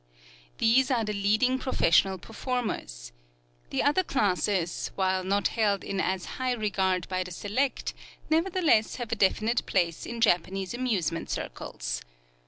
These are the leading professional performers. The other classes, while not held in as high regard by the select, nevertheless have a definite place in Japanese amusement circles.